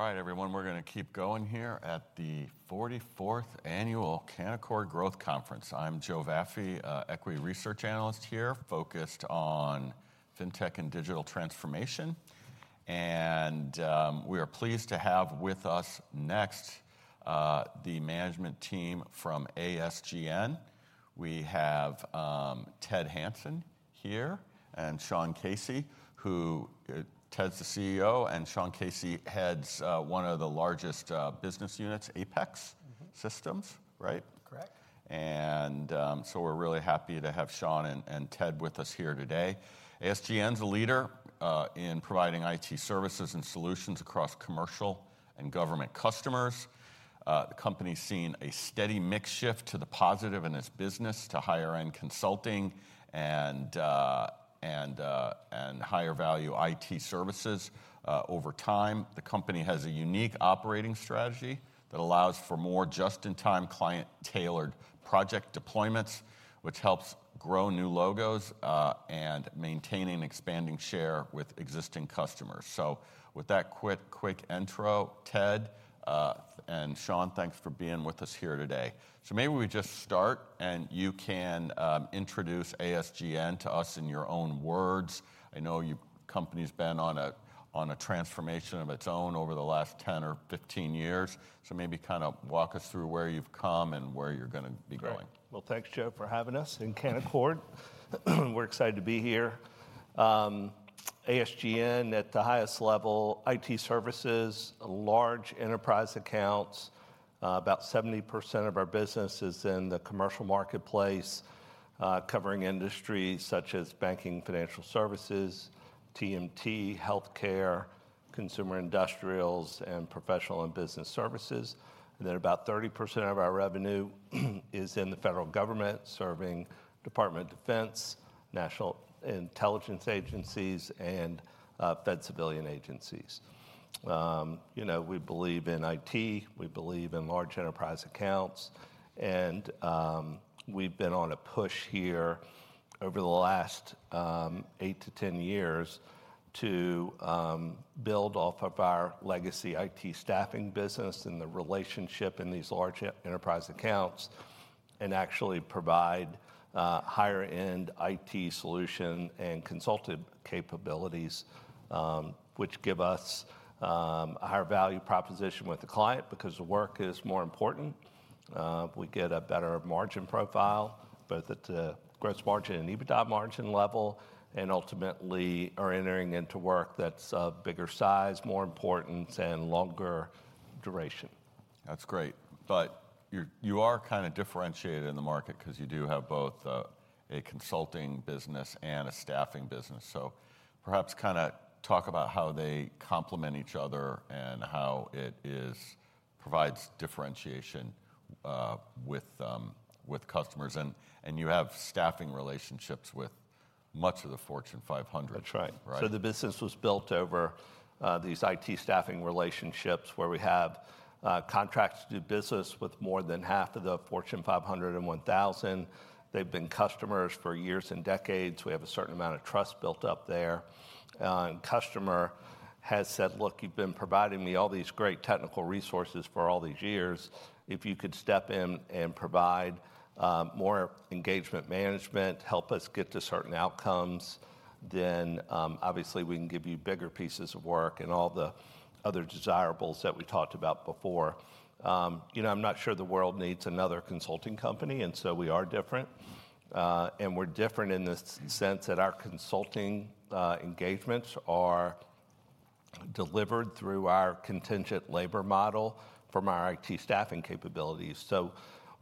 All right, everyone, we're gonna keep going here at the 44th Annual Canaccord Growth Conference. I'm Joe Vafi, equity research analyst here, focused on fintech and digital transformation. We are pleased to have with us next, the management team from ASGN. We have, Ted Hanson here and Sean Casey, who— Ted's the CEO, and Sean Casey heads, one of the largest, business units, Apex Systems. Mm-hmm. Right? Correct. And, so we're really happy to have Sean and Ted with us here today. ASGN's a leader in providing IT services and solutions across commercial and government customers. The company's seen a steady mix shift to the positive in its business, to higher-end consulting and higher value IT services. Over time, the company has a unique operating strategy that allows for more just-in-time, client-tailored project deployments, which helps grow new logos and maintaining expanding share with existing customers. So with that quick intro, Ted and Sean, thanks for being with us here today. So maybe we just start, and you can introduce ASGN to us in your own words. I know you-- company's been on a transformation of its own over the last 10 or 15 years. So maybe kind of walk us through where you've come and where you're gonna be going. Great. Well, thanks, Joe, for having us and Canaccord. We're excited to be here. ASGN, at the highest level, IT services, large enterprise accounts, about 70% of our business is in the commercial marketplace, covering industries such as banking, financial services, TMT, healthcare, consumer industrials, and professional and business services. And then, about 30% of our revenue is in the federal government, serving Department of Defense, national intelligence agencies, and fed civilian agencies. You know, we believe in IT, we believe in large enterprise accounts, and we've been on a push here over the last 8 to 10 years to build off of our legacy IT staffing business and the relationship in these large enterprise accounts, and actually provide higher-end IT solution and consulting capabilities, which give us a higher value proposition with the client because the work is more important. We get a better margin profile, both at the gross margin and EBITDA margin level, and ultimately are entering into work that's of bigger size, more importance, and longer duration. That's great. But you are kinda differentiated in the market 'cause you do have both a consulting business and a staffing business. So perhaps kinda talk about how they complement each other and how it provides differentiation with customers. And you have staffing relationships with much of the Fortune 500. That's right. Right. So the business was built over these IT staffing relationships, where we have contracts to do business with more than half of the Fortune 500 and 1,000. They've been customers for years and decades. We have a certain amount of trust built up there. And customer has said: "Look, you've been providing me all these great technical resources for all these years. If you could step in and provide more engagement management, help us get to certain outcomes, then, obviously, we can give you bigger pieces of work," and all the other desirables that we talked about before. You know, I'm not sure the world needs another consulting company, and so we are different. And we're different in the sense that our consulting engagements are delivered through our contingent labor model from our IT staffing capabilities. So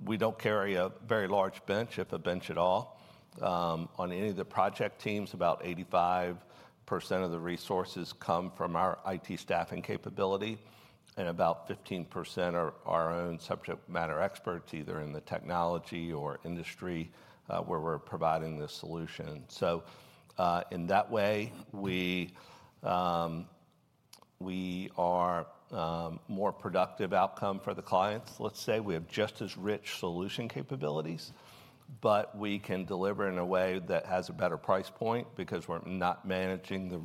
we don't carry a very large bench, if a bench at all. On any of the project teams, about 85% of the resources come from our IT staffing capability, and about 15% are our own subject matter experts, either in the technology or industry, where we're providing the solution. So, in that way, we are more productive outcome for the clients, let's say. We have just as rich solution capabilities, but we can deliver in a way that has a better price point because we're not managing the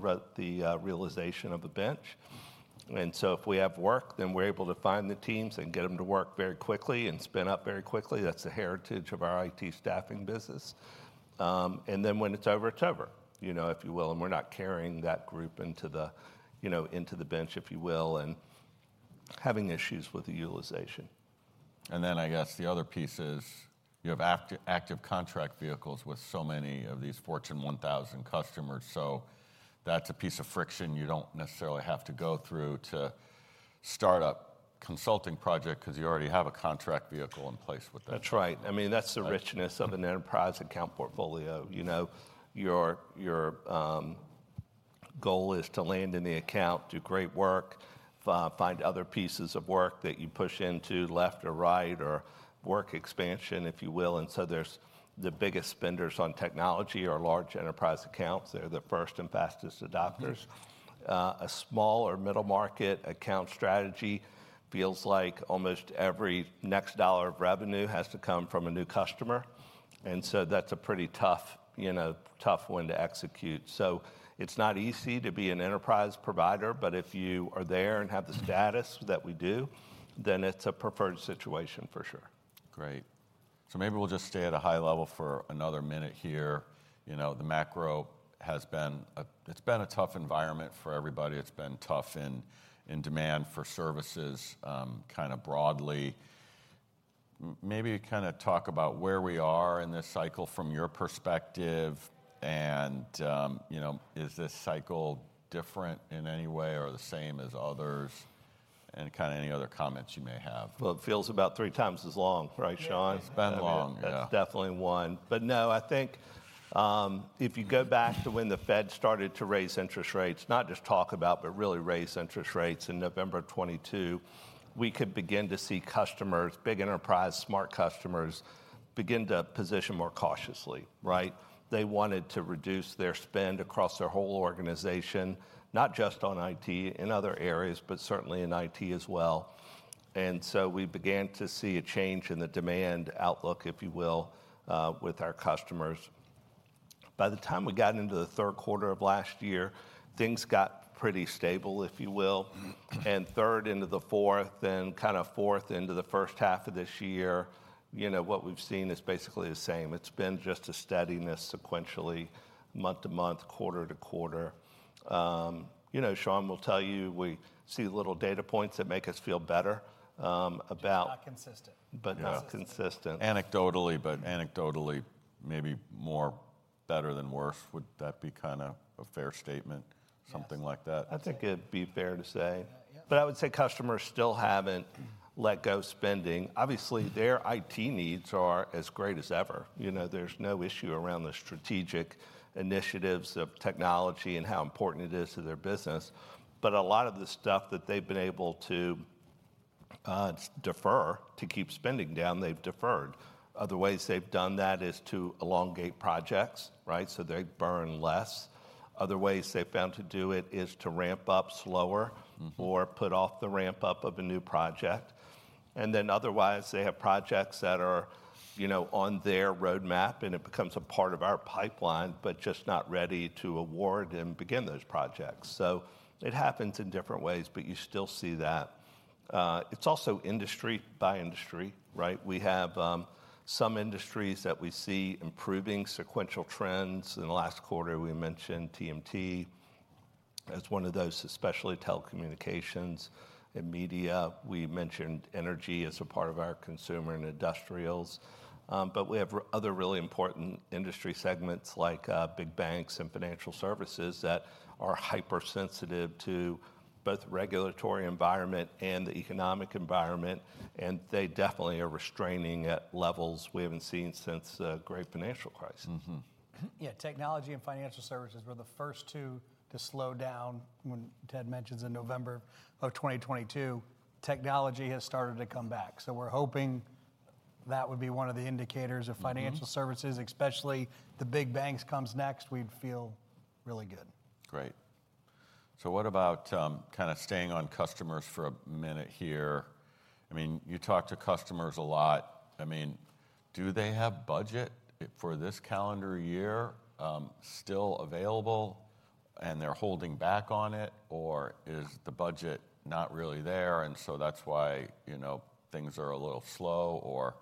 realization of the bench. And so if we have work, then we're able to find the teams and get them to work very quickly and spin up very quickly. That's the heritage of our IT staffing business. And then when it's over, it's over, you know, if you will, and we're not carrying that group into the, you know, into the bench, if you will, and having issues with the utilization. I guess the other piece is, you have active contract vehicles with so many of these Fortune 1000 customers, so that's a piece of friction you don't necessarily have to go through to start a consulting project 'cause you already have a contract vehicle in place with them. That's right. I mean, that's the- That-... richness of an enterprise account portfolio. You know, your goal is to land in the account, do great work, find other pieces of work that you push into left or right, or work expansion, if you will. And so there's the biggest spenders on technology are large enterprise accounts. They're the first and fastest adopters. Mm. A small or middle market account strategy feels like almost every next dollar of revenue has to come from a new customer, and so that's a pretty tough, you know, tough one to execute. So it's not easy to be an enterprise provider, but if you are there and have the status that we do, then it's a preferred situation for sure. Great. So maybe we'll just stay at a high level for another minute here. You know, the macro has been, it's been a tough environment for everybody. It's been tough in demand for services, kind of broadly. Maybe kind of talk about where we are in this cycle from your perspective, and, you know, is this cycle different in any way or the same as others? And kind of any other comments you may have. Well, it feels about three times as long, right, Sean? Yeah. It's been long, yeah. That's definitely one. But no, I think, if you go back to when the Fed started to raise interest rates, not just talk about, but really raise interest rates in November of 2022, we could begin to see customers, big enterprise, smart customers, begin to position more cautiously, right? They wanted to reduce their spend across their whole organization, not just on IT, in other areas, but certainly in IT as well. And so we began to see a change in the demand outlook, if you will, with our customers. By the time we got into the third quarter of last year, things got pretty stable, if you will, and third into the fourth, and kind of fourth into the first half of this year, you know, what we've seen is basically the same. It's been just a steadiness sequentially, month to month, quarter to quarter. You know, Sean will tell you, we see little data points that make us feel better about- Not consistent. But not consistent. Yeah. Anecdotally, maybe more better than worse. Would that be kind of a fair statement? Yes. Something like that. I think it'd be fair to say. Yeah. But I would say customers still haven't let go spending. Obviously, their IT needs are as great as ever. You know, there's no issue around the strategic initiatives of technology and how important it is to their business, but a lot of the stuff that they've been able to defer to keep spending down, they've deferred. Other ways they've done that is to elongate projects, right? So they burn less. Other ways they've found to do it is to ramp up slower- Mm-hmm... or put off the ramp-up of a new project. And then, otherwise, they have projects that are, you know, on their roadmap, and it becomes a part of our pipeline, but just not ready to award and begin those projects. So it happens in different ways, but you still see that. It's also industry by industry, right? We have some industries that we see improving sequential trends. In the last quarter, we mentioned TMT as one of those, especially telecommunications and media. We mentioned energy as a part of our consumer and industrials. But we have other really important industry segments, like big banks and financial services, that are hypersensitive to both regulatory environment and the economic environment, and they definitely are restraining at levels we haven't seen since the Great Financial Crisis. Mm-hmm. Yeah, technology and financial services were the first two to slow down, when Ted mentions in November of 2022. Technology has started to come back, so we're hoping that would be one of the indicators- Mm-hmm... of financial services, especially the big banks, comes next, we'd feel really good. Great. So what about, kind of staying on customers for a minute here? I mean, you talk to customers a lot. I mean, do they have budget, for this calendar year, still available, and they're holding back on it? Or is the budget not really there, and so that's why, you know, things are a little slow, or,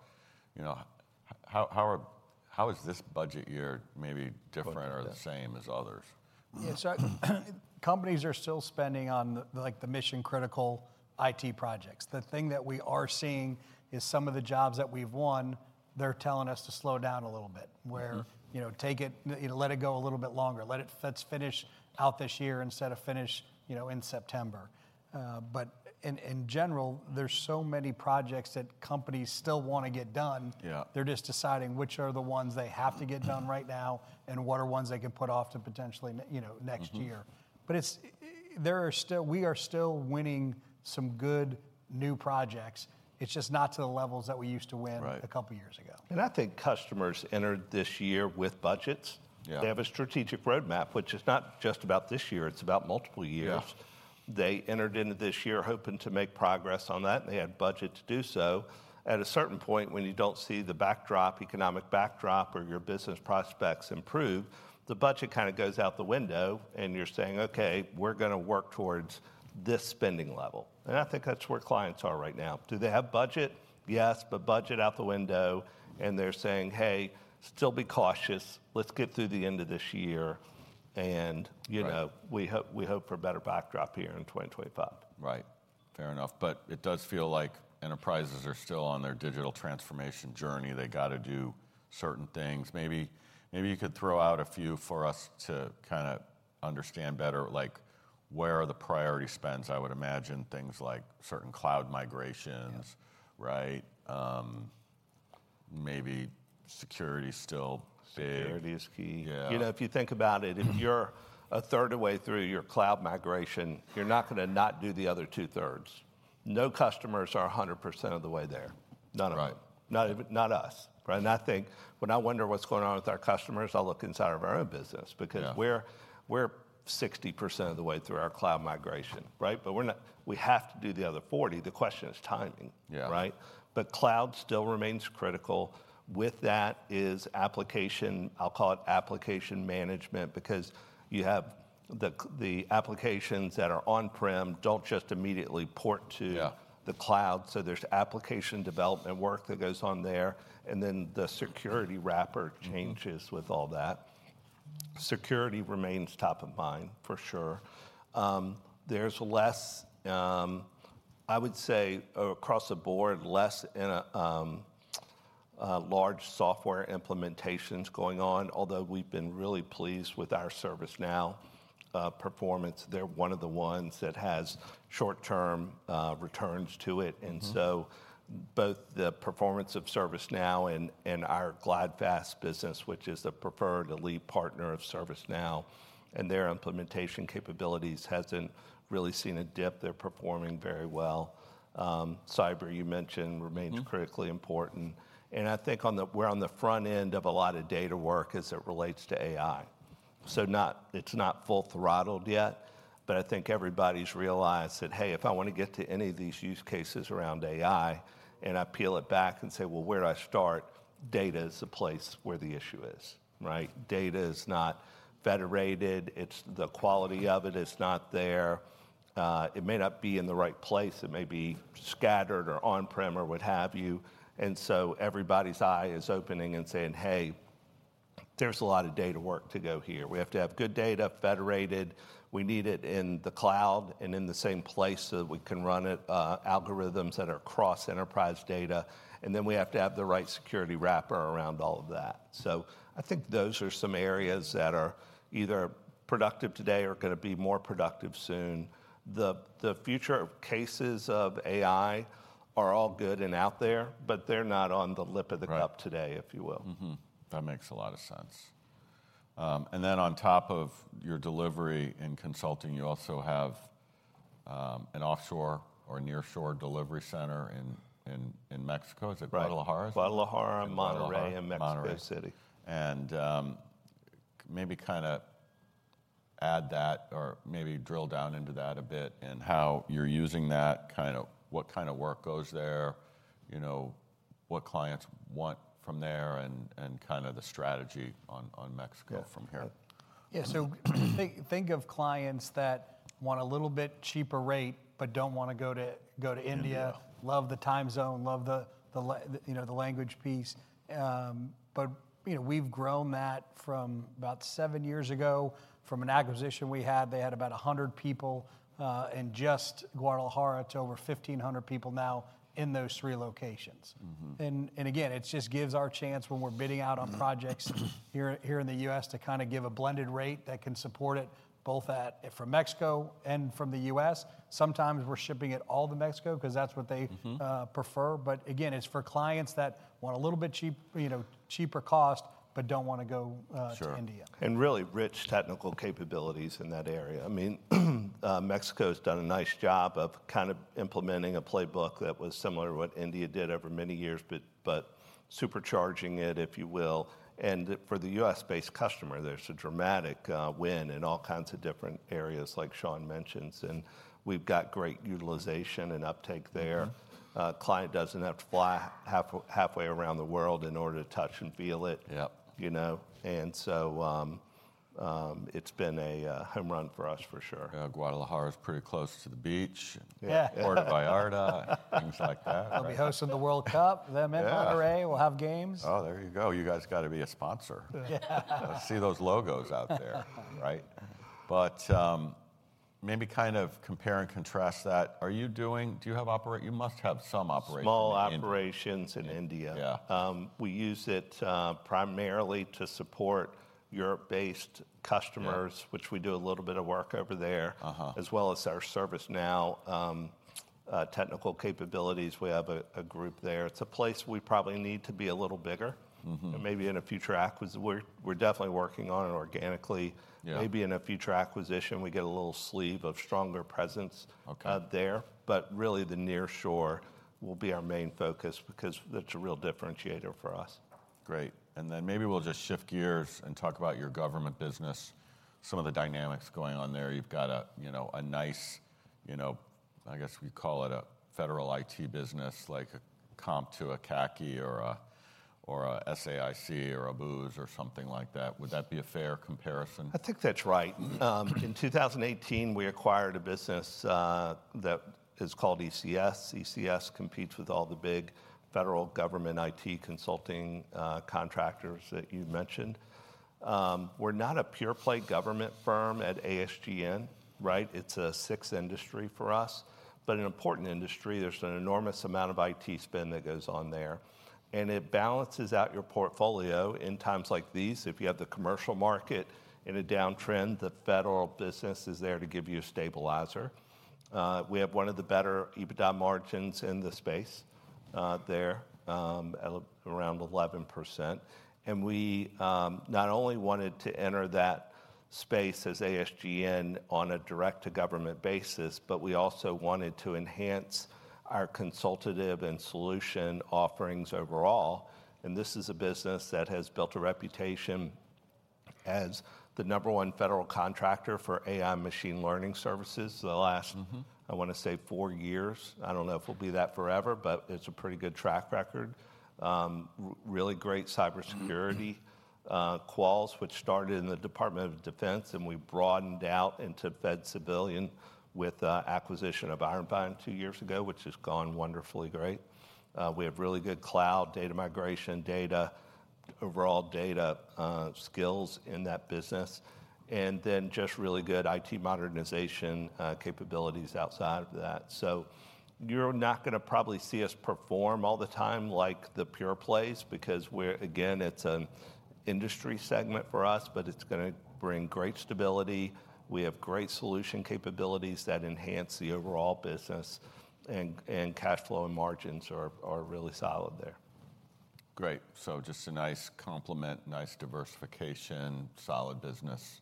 you know, how is this budget year maybe different- But-... or the same as others? Yeah, so companies are still spending on the, like, the mission-critical IT projects. The thing that we are seeing is some of the jobs that we've won, they're telling us to slow down a little bit- Mm-hmm... where, you know, take it, you know, let it go a little bit longer. Let's finish out this year instead of finish, you know, in September. But in, in general, there's so many projects that companies still wanna get done. Yeah. They're just deciding which are the ones they have to get done right now, and what are ones they can put off to potentially you know, next year. Mm-hmm. But it's. There are still, we are still winning some good, new projects. It's just not to the levels that we used to win. Right... a couple years ago. I think customers entered this year with budgets. Yeah. They have a strategic roadmap, which is not just about this year, it's about multiple years. Yeah. They entered into this year hoping to make progress on that, and they had budget to do so. At a certain point, when you don't see the backdrop, economic backdrop or your business prospects improve, the budget kind of goes out the window, and you're saying, "Okay, we're gonna work towards this spending level." I think that's where clients are right now. Do they have budget? Yes, but budget out the window, and they're saying, "Hey, still be cautious. Let's get through the end of this year," and, you know- Right... we hope, we hope for a better backdrop here in 2025. Right. Fair enough, but it does feel like enterprises are still on their digital transformation journey. They gotta do certain things. Maybe, maybe you could throw out a few for us to kind of understand better, like, where are the priority spends? I would imagine things like certain cloud migrations- Yeah. Right? Maybe security is still big. Security is key. Yeah. You know, if you think about it- Mm... if you're a third of the way through your cloud migration, you're not gonna not do the other two-thirds. No customers are 100% of the way there, none of them. Right. Not even, not us, right? And I think when I wonder what's going on with our customers, I look inside of our own business, because- Yeah... we're 60% of the way through our cloud migration, right? But we're not. We have to do the other 40. The question is timing- Yeah... right? But cloud still remains critical. With that is application, I'll call it application management, because you have the applications that are on-prem don't just immediately port to- Yeah... the cloud, so there's application development work that goes on there, and then the security wrapper changes- Mm-hmm... with all that.... Security remains top of mind, for sure. There's less, I would say, across the board, less in a large software implementations going on, although we've been really pleased with our ServiceNow performance. They're one of the ones that has short-term returns to it. Mm-hmm. And so both the performance of ServiceNow and our GlideFast business, which is the preferred elite partner of ServiceNow, and their implementation capabilities, hasn't really seen a dip. They're performing very well. Cyber, you mentioned- Mm... remains critically important, and I think we're on the front end of a lot of data work as it relates to AI. So, it's not full throttled yet, but I think everybody's realized that, "Hey, if I want to get to any of these use cases around AI, and I peel it back and say, 'Well, where do I start?'" Data is the place where the issue is, right? Data is not federated, it's the quality of it is not there. It may not be in the right place. It may be scattered or on-prem, or what have you. And so everybody's eye is opening and saying, "Hey, there's a lot of data work to go here." We have to have good data, federated. We need it in the cloud and in the same place, so that we can run it algorithms that are cross-enterprise data, and then we have to have the right security wrapper around all of that. So I think those are some areas that are either productive today or gonna be more productive soon. The future cases of AI are all good and out there, but they're not on the lip of the cup- Right... today, if you will. Mm-hmm. That makes a lot of sense. And then on top of your delivery and consulting, you also have an offshore or nearshore delivery center in Mexico. Right. Is it Guadalajara? Guadalajara- Guadalajara... Monterrey and Mexico City. Monterrey. Maybe kind of add that or maybe drill down into that a bit, and how you're using that, kind of what kind of work goes there, you know, what clients want from there, and, and kind of the strategy on, on Mexico from here. Yeah. So, think of clients that want a little bit cheaper rate, but don't want to go to India. India. Love the time zone, love the, you know, the language piece. But, you know, we've grown that from about 7 years ago from an acquisition we had. They had about 100 people in just Guadalajara, to over 1,500 people now in those three locations. Mm-hmm. And again, it just gives our chance when we're bidding out on projects- Mm-hmm... here in the US, to kind of give a blended rate that can support it, both at, from Mexico and from the US. Sometimes we're shipping it all to Mexico 'cause that's what they- Mm-hmm... prefer. But again, it's for clients that want a little bit cheap, you know, cheaper cost, but don't want to go- Sure... to India. Really rich technical capabilities in that area. I mean, Mexico's done a nice job of kind of implementing a playbook that was similar to what India did over many years, but supercharging it, if you will. For the US-based customer, there's a dramatic win in all kinds of different areas, like Sean mentions, and we've got great utilization and uptake there. Mm-hmm. Client doesn't have to fly halfway around the world in order to touch and feel it. Yep. You know? And so, it's been a home run for us for sure. Yeah, Guadalajara is pretty close to the beach. Yeah. Yeah. Puerto Vallarta, things like that, right? We'll be hosting the World Cup. Yeah. Then in Monterrey, we'll have games. Oh, there you go. You guys got to be a sponsor. Yeah. See those logos out there, right? But, maybe kind of compare and contrast that. Do you have operations in India? You must have some operations in India. Small operations in India. Yeah. We use it, primarily to support Europe-based customers- Yeah... which we do a little bit of work over there. Uh-huh. As well as our ServiceNow, technical capabilities. We have a group there. It's a place we probably need to be a little bigger. Mm-hmm. Maybe in a future acquis-- We're, we're definitely working on it organically. Yeah. Maybe in a future acquisition, we get a little sleeve of stronger presence- Okay... there. But really, the nearshore will be our main focus because that's a real differentiator for us. Great, and then maybe we'll just shift gears and talk about your government business, some of the dynamics going on there. You've got a, you know, a nice, you know, I guess we call it a federal IT business, like a comp to a CACI or a, or a SAIC, or a Booz, or something like that. Would that be a fair comparison? I think that's right. In 2018, we acquired a business that is called ECS. ECS competes with all the big federal government IT consulting contractors that you mentioned. We're not a pure play government firm at ASGN, right? It's a sixth industry for us, but an important industry. There's an enormous amount of IT spend that goes on there, and it balances out your portfolio in times like these. If you have the commercial market in a downtrend, the federal business is there to give you a stabilizer. We have one of the better EBITDA margins in the space there at around 11%. And we not only wanted to enter that space as ASGN on a direct-to-government basis, but we also wanted to enhance our consultative and solution offerings overall. This is a business that has built a reputation as the number one federal contractor for AI machine learning services for the last- Mm-hmm... I wanna say, four years. I don't know if we'll be that forever, but it's a pretty good track record. Really great cybersecurity- Mm-hmm... quals, which started in the Department of Defense, and we broadened out into Fed civilian with an acquisition of Iron Vine two years ago, which has gone wonderfully great. We have really good cloud, data migration, data, overall data, skills in that business, and then just really good IT modernization, capabilities outside of that. So you're not gonna probably see us perform all the time like the pure plays, because we're again, it's an industry segment for us, but it's gonna bring great stability. We have great solution capabilities that enhance the overall business, and, and cash flow and margins are, are really solid there. Great. So just a nice complement, nice diversification, solid business.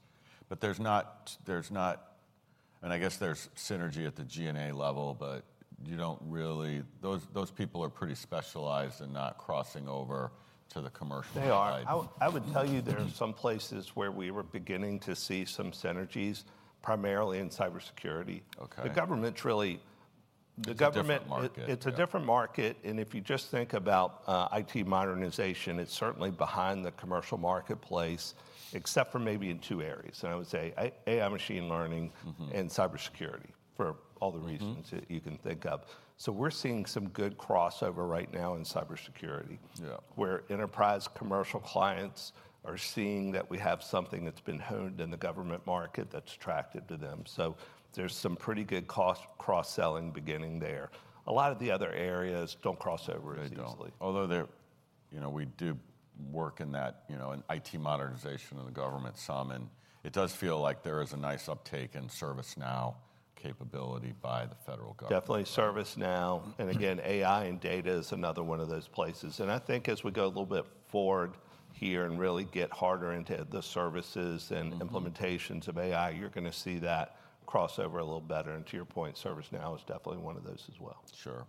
But there's not. And I guess there's synergy at the G&A level, but you don't really. Those people are pretty specialized and not crossing over to the commercial side. They are. I would tell you there are some places where we were beginning to see some synergies, primarily in cybersecurity. Okay. The government... It's a different market. It's a different market, and if you just think about IT modernization, it's certainly behind the commercial marketplace, except for maybe in two areas, and I would say AI, machine learning- Mm-hmm... and cybersecurity, for all the reasons- Mm-hmm... that you can think of. So we're seeing some good crossover right now in cybersecurity- Yeah... where enterprise commercial clients are seeing that we have something that's been honed in the government market that's attractive to them. So there's some pretty good cost cross-selling beginning there. A lot of the other areas don't cross over as easily. They don't. Although they're, you know, we do work in that, you know, in IT modernization in the government some, and it does feel like there is a nice uptake in ServiceNow capability by the federal government. Definitely, ServiceNow, and again, AI and data is another one of those places. And I think as we go a little bit forward here and really get harder into the services and- Mm-hmm... implementations of AI, you're gonna see that cross over a little better. To your point, ServiceNow is definitely one of those as well. Sure.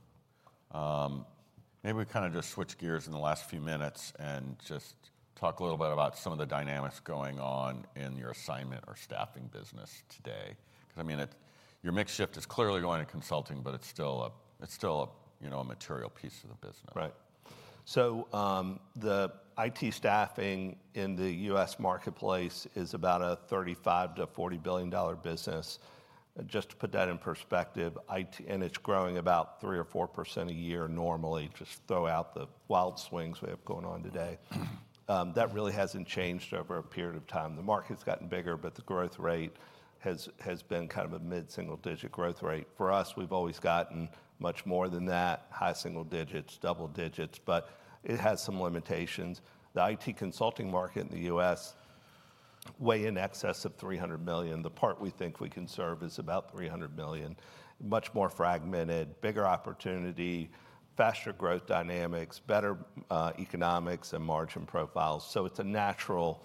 Maybe we kind of just switch gears in the last few minutes and just talk a little bit about some of the dynamics going on in your assignment or staffing business today. 'Cause I mean, it, your mix shift is clearly going to consulting, but it's still a, it's still a, you know, a material piece of the business. Right. So, the IT staffing in the US marketplace is about a $35 to $40 billion business. Just to put that in perspective, it's growing about 3% or 4% a year normally, just throw out the wild swings we have going on today. That really hasn't changed over a period of time. The market's gotten bigger, but the growth rate has, has been kind of a mid-single-digit growth rate. For us, we've always gotten much more than that, high single digits, double digits, but it has some limitations. The IT consulting market in the US, way in excess of $300 million, the part we think we can serve is about $300 million. Much more fragmented, bigger opportunity, faster growth dynamics, better, economics and margin profiles. So it's a natural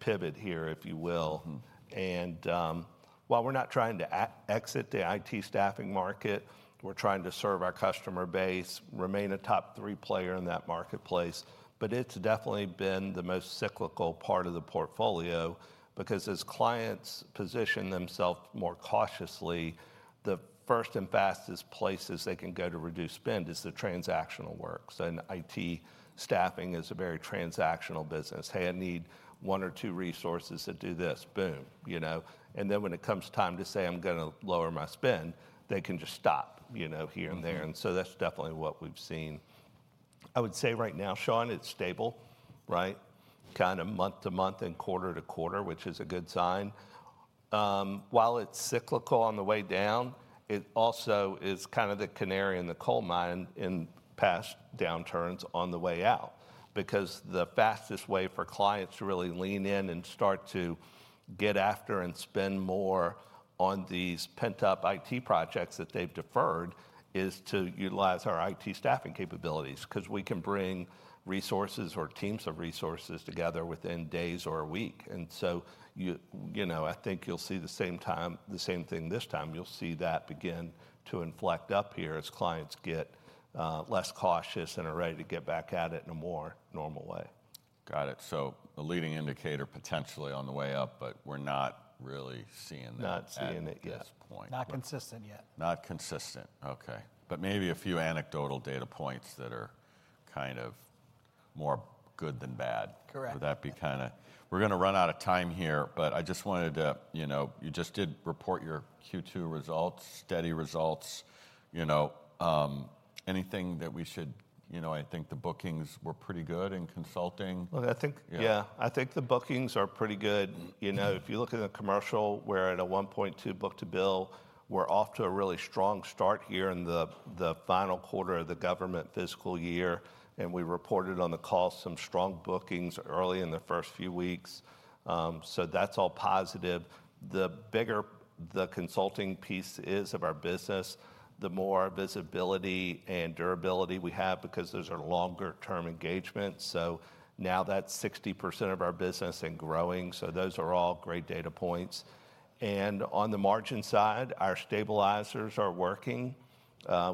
pivot here, if you will. Mm. While we're not trying to exit the IT staffing market, we're trying to serve our customer base, remain a top three player in that marketplace, but it's definitely been the most cyclical part of the portfolio because as clients position themselves more cautiously, the first and fastest places they can go to reduce spend is the transactional work. So and IT staffing is a very transactional business. "Hey, I need one or two resources to do this." Boom! You know? And then when it comes time to say, "I'm gonna lower my spend," they can just stop, you know- Mm-hmm... here and there, and so that's definitely what we've seen. I would say right now, Sean, it's stable, right? Kind of month to month and quarter to quarter, which is a good sign. While it's cyclical on the way down, it also is kind of the canary in the coal mine in past downturns on the way out, because the fastest way for clients to really lean in and start to get after and spend more on these pent-up IT projects that they've deferred is to utilize our IT staffing capabilities. 'Cause we can bring resources or teams of resources together within days or a week, and so you know, I think you'll see the same time, the same thing this time. You'll see that begin to inflect up here as clients get less cautious and are ready to get back at it in a more normal way. Got it. So a leading indicator potentially on the way up, but we're not really seeing that- Not seeing it yet.… at this point. Not consistent yet. Not consistent. Okay, but maybe a few anecdotal data points that are kind of more good than bad. Correct. Would that be kind of... We're gonna run out of time here, but I just wanted to, you know, you just did report your Q2 results, steady results, you know, anything that we should. You know, I think the bookings were pretty good in consulting. Well, I think- Yeah. Yeah, I think the bookings are pretty good. You know, if you look in the commercial, we're at a 1.2 book-to-bill. We're off to a really strong start here in the final quarter of the government fiscal year, and we reported on the call some strong bookings early in the first few weeks. So that's all positive. The bigger the consulting piece is of our business, the more visibility and durability we have, because those are longer term engagements. So now that's 60% of our business and growing, so those are all great data points. And on the margin side, our stabilizers are working.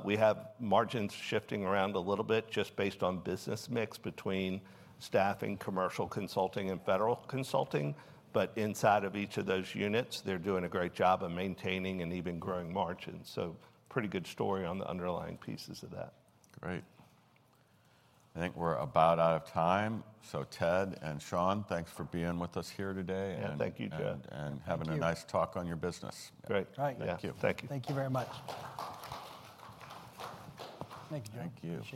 We have margins shifting around a little bit, just based on business mix between staffing, commercial consulting, and federal consulting. But inside of each of those units, they're doing a great job of maintaining and even growing margins. Pretty good story on the underlying pieces of that. Great. I think we're about out of time. So Ted and Sean, thanks for being with us here today, and- Yeah, thank you, Ted.... and- Thank you... having a nice talk on your business. Great. All right. Thank you. Thank you. Thank you very much. Thank you. Thank you.